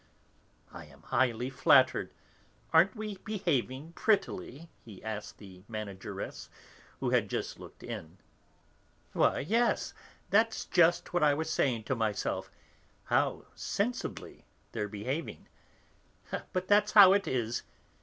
"I am highly flattered.... Aren't we behaving prettily?" he asked the 'manageress,' who had just looked in. "Why, yes, that's just what I was saying to myself, how sensibly they're behaving! But that's how it is!